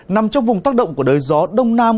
nằm trong vùng tác động của đới gió đông nam